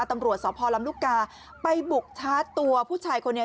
ตำรวจสพลำลูกกาไปบุกชาร์จตัวผู้ชายคนนี้